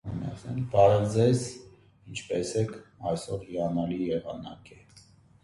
He is buried at Inglewood Park Cemetery in Inglewood, California.